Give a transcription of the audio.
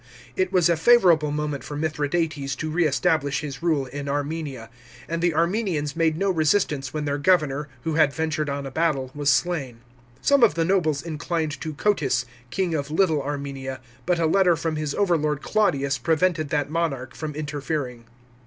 It was a favourable moment for Mithradates to re establish his rule in Armenia, and the Armenians made no resistance when their governor, who had ventured on a battle, was slain. Some of the nobles inclined to Cotys, king of Little Armenia, but a letter from his overlord Claudius prevented that monarch from interfering.